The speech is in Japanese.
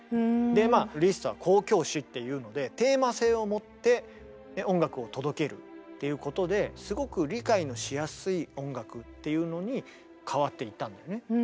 でまあリストは交響詩っていうのでっていうことですごく理解のしやすい音楽っていうのに変わっていったんだよね。